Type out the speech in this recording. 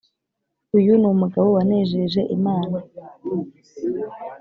Uyu ni Umugabo wanejeje Imana